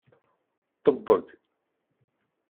Ṭebbeg!